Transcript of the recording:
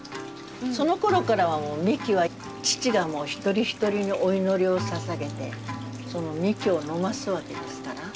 そのころからはみきは父がもう一人一人にお祈りをささげてみきを飲ますわけですから。